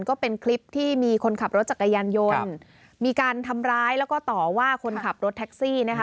ก็เป็นคลิปที่มีคนขับรถจักรยานยนต์มีการทำร้ายแล้วก็ต่อว่าคนขับรถแท็กซี่นะคะ